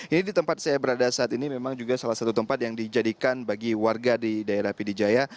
ini di tempat saya berada saat ini memang juga salah satu tempat yang dijadikan bagi warga di daerah pd jaya